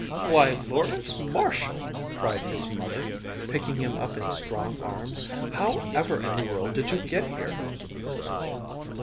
"Why, Lawrence Marshall!" cried his mother, picking him up in strong arms; "how ever in the world did you get here!"